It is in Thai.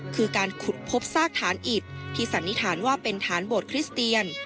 คือการขุดพบซากฐานอิดที่สันนิษฐานว่าเป็นฐานโบสถคริสเตียน